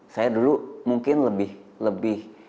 saya dulu mungkin lebih